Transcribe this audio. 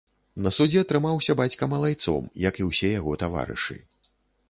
На судзе трымаўся бацька малайцом, як і ўсе яго таварышы.